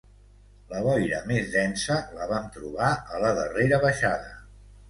La boira més densa la vam trobar a la darrera baixada.